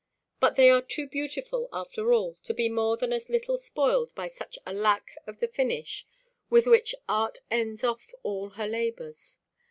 But they are too beautiful after all to be more than a little spoiled by such a lack of the finish with which Art ends off all her labours.